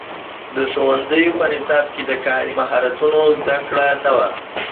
د ښوونځیو په نصاب کي د کاري مهارتونو زده کړه نه وه.